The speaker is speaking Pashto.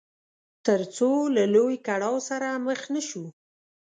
تر څو له لوی کړاو سره مخ نه شو.